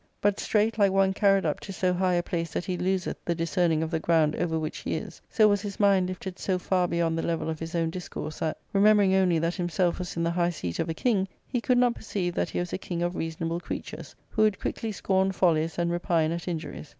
But straight, like one carried up to so high a place that he loseth the discerning of the ground over which he is, so was his mind lifted so far beyond the level of his own discourse that, remembering only that himself was in the high seat of a king, he could not perceive that he was a king of reasonable creatures, who would quickly scorn follies and repine at injuries.